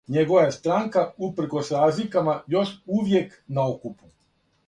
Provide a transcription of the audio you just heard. Његова је странка, упркос разликама, још увијек на окупу.